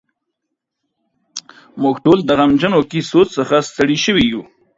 موږ ټول د غمجنو کیسو څخه ستړي شوي یو.